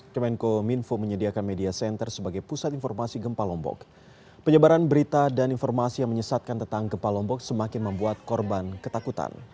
kemenko minfo menyediakan media center sebagai pusat informasi gempa lombok penyebaran berita dan informasi yang menyesatkan tentang gempa lombok semakin membuat korban ketakutan